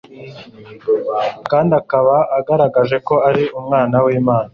kandi akaba agaragaje ko ari Umwana w'Imana.